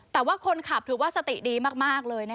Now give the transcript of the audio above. แต่ว่าคนขับถือว่าสติดีมากเลย